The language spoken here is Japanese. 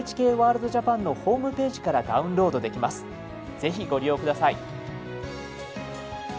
ぜひご利用下さい。